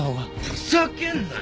ふざけんなよ！